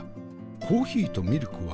コーヒーとミルクは相性よし。